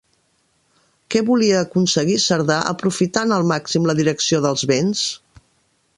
Què volia aconseguir Cerdà aprofitant al màxim la direcció dels vents?